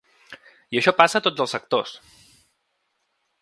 I això passa a tots els sectors.